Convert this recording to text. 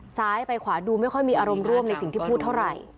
ซ้ายไปขวาดูไม่ค่อยมีอารมณ์ร่วมในสิ่งที่พูดเท่าไหร่